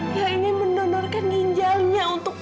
yang ingin mendonorkan ginjalnya untuk papi